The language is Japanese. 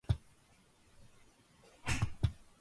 圧倒しました。